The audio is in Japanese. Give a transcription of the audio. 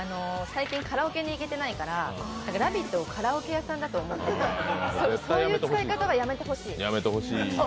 最近、カラオケに行けてないから「ラヴィット！」をカラオケ屋さんだと思っていてそういう使い方はやめてほしい。